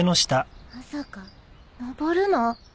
まさか登るの？